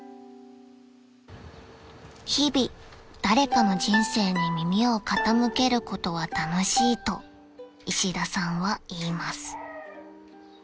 ［日々誰かの人生に耳を傾けることは楽しいと石田さんは言います］